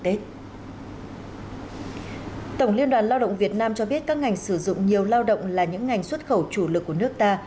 tổng liên đoàn lao động việt nam cho biết các ngành sử dụng nhiều lao động là những ngành xuất khẩu chủ lực của nước ta